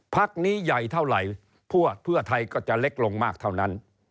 พักนี้ใหญ่เท่าไหร่เพื่อไทยก็จะเล็กลงมากเท่านั้น